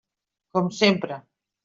Com sempre.